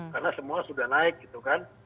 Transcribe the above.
karena semua sudah naik gitu kan